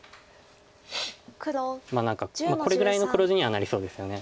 何かこれぐらいの黒地にはなりそうですよね。